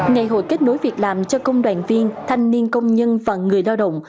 ngày hội kết nối việc làm cho công đoàn viên thanh niên công nhân và người lao động